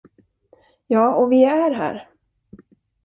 Ja, och vi är här.